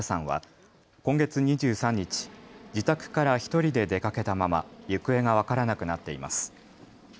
松戸市の小学１年生、南朝芽さんは今月２３日、自宅から１人で出かけたまま行方が分からなくなっています。